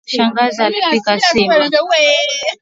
Shangazi alipika sima.